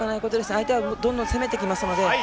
相手はどんどん攻めてきますので。